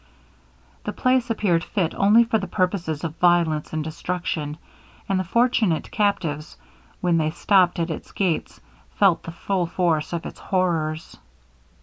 The place appeared fit only for the purposes of violence and destruction: and the unfortunate captives, when they stopped at its gates, felt the full force of its horrors.